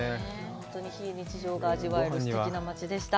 本当に非日常が味わえるすてきな町でした。